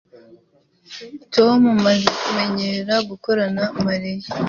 tom maze kumenyera gukorana mariya